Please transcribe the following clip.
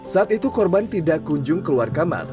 saat itu korban tidak kunjung keluar kamar